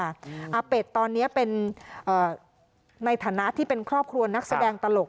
อาเป็ดตอนนี้เป็นในฐานะที่เป็นครอบครัวนักแสดงตลก